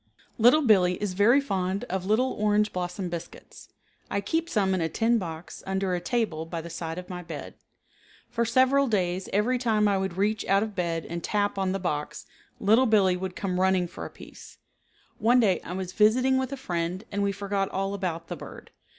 Little Billee is very fond of little orange blossom biscuits. I keep some in a tin box under a table by the side of my bed. For several days every time I would reach out of bed and tap on the box Little Billee would come running for a piece. One day I was visiting with a friend and we forgot all about the bird.